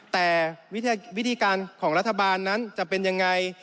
แต่วิธีการของรัฐบาลนั้นจะเป็นยังไง